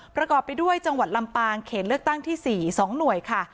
ประกอบไปด้วยจังหวัดลำปางเขตเลือกตั้งที่๔๒หน่วยค่ะ